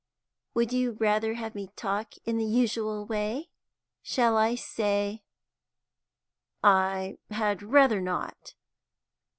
Would you rather have me talk in the usual way? Shall I say " "I had rather not."